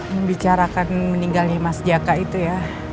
membicarakan meninggalnya mas jaka itu ya